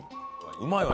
うまいわ！